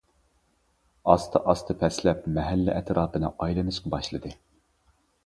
ئاستا- ئاستا پەسلەپ مەھەللە ئەتراپىنى ئايلىنىشقا باشلىدىم.